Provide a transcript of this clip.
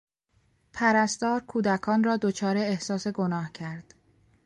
پرستار کودکان را دچار احساس گناه کرد.